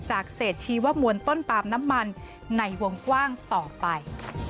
จากเศษชีวมวลต้นปาล์มน้ำมันในวงกว้างต่อไป